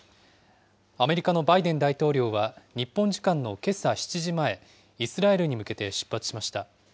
アメリカのバイデン大統領は、日本時間のけさ７時前、イスラエルに向けて出発しました。